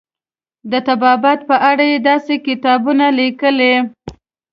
د طبابت په اړه یې داسې کتابونه لیکلي.